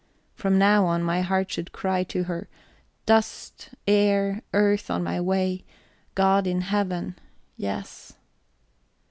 From now on, my heart should cry to her: Dust, air, earth on my way; God in Heaven, yes...